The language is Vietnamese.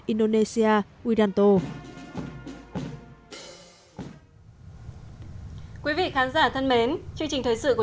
indonesia nguyên đàn tô